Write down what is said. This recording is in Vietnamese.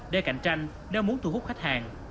để cạnh tranh nếu muốn thu hút khách hàng